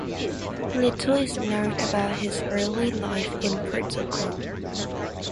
Little is known about his early life in Portugal.